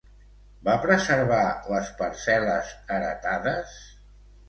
Va preservar les parcel·les heretades?